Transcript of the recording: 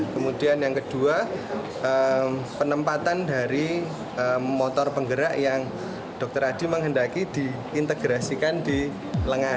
kemudian yang kedua penempatan dari motor penggerak yang dokter adi menghendaki diintegrasikan di lengan